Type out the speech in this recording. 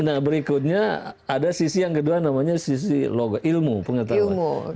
nah berikutnya ada sisi yang kedua namanya sisi ilmu pengetahuan